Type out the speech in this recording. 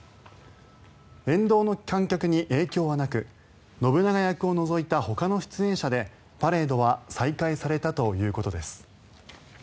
沿道の観客に影響はなく信長役を除いたほかの出演者でパレードは再開されたということです。